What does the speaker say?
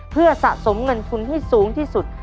เพื่อสะสมเงินทุนให้สูงที่สุด